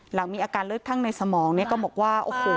หลังมีอาการเลือดข้างในสมองเนี่ยก็บอกว่าโอ้โห